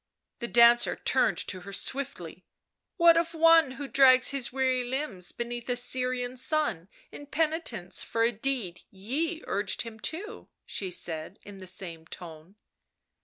The dancer turned to her swiftly. " What of one who drags his weary limbs beneath a Syrian sun in penitence for a deed ye urged him to?" she said in the same tone.